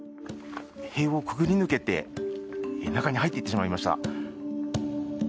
塀をくぐり抜けて中に入っていってしまいました。